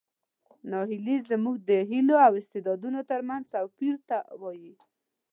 ناهیلي زموږ د هیلو او استعدادونو ترمنځ توپیر ته وایي.